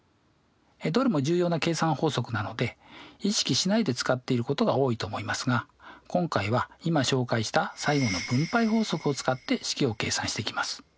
どれも重要な計算法則なので意識しないで使っていることが多いと思いますが今回は今紹介した最後の分配法則を使って式を計算していきます。